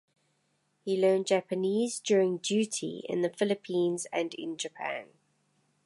He learned Japanese during duty in the Philippines and in Japan.